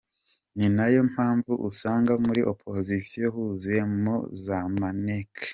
Ni nayo mpamvu usanga muri opposition huzuye mo za maneko.